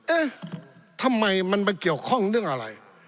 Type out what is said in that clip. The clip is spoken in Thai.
เอ๊ะทำไมมันมาเกี่ยวข้องเรื่องอะไร